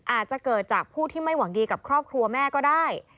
อาจจะเกิดจากผู้ที่ไม่หวังดีกับครอบครัวแม่ก็ได้